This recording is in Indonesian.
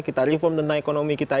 kita reform tentang ekonomi kita